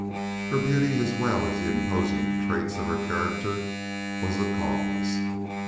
Her beauty, as well as the imposing traits of her character, was the cause.